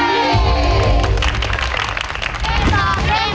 จะทำเวลาไหมครับเนี่ย